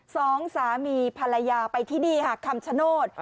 สองสามีภรรยาไปที่ดีค่ะคัมชนะโนต